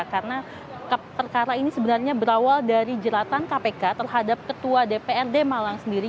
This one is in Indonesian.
karena perkara ini sebenarnya berawal dari jelatan kpk terhadap ketua dprd malang sendiri